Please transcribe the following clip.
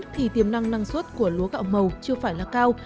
thì tiềm năng năng suất của lúa gạo màu chưa phải là cao